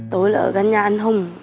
tôi là ở gần nhà anh hùng